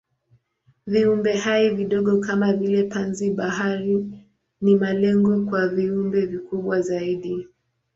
Viumbehai vidogo kama vile panzi-bahari ni malengo kwa viumbe vikubwa zaidi.